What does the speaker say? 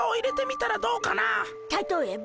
たとえば？